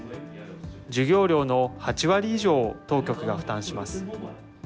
授業料の８割以上を当局が負担します。